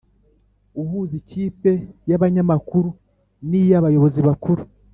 Uhuza ikipe y abanyamakuru n iy abayobozi bakuru